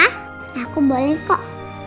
kata papa aku boleh kok